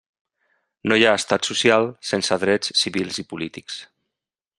No hi ha estat social sense drets civils i polítics.